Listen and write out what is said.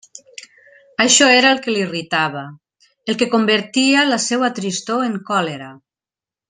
Això era el que l'irritava, el que convertia la seua tristor en còlera.